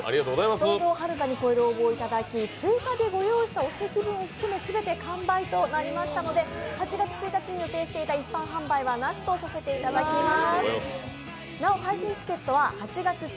想像をはるかに超えるご応募いただき追加でご用意したお席分を含め、全て完売となりましたので、８月１日に予定していた一般販売はなしとさせていただきます。